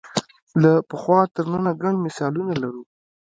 له پخوا تر ننه ګڼ مثالونه لرو